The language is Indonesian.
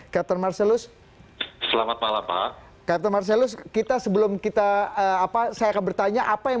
captain marcelus selamat malam pak captain marcelus kita sebelum kita apa saya akan bertanya apa yang